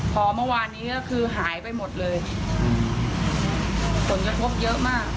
พอเมื่อวานนี้ก็คือหายไปหมดเลยผลกระทบเยอะมาก